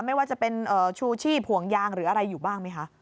ไม่ว่าจะเป็นชูชีพห่วงยางหรืออะไรอยู่บ้างไหมคะ